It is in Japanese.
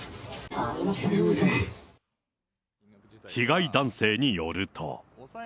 被害男性によると。